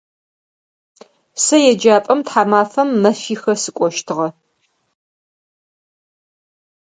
Сэ еджапӏэм тхьамафэм мэфихэ сыкӏощтыгъэ.